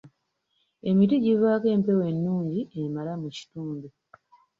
Emiti givaako empewo ennungi emala mu kitundu.